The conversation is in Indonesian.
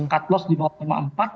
cut loss di bawah lima puluh empat